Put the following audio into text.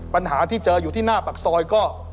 ปัญหาที่เจออยู่ที่หน้าปากซอยก็